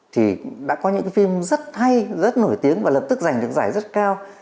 thì đã có những cái phim rất hay rất nổi tiếng và lập tức giành được giải rất cao